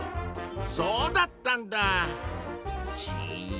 そうだったんだじい。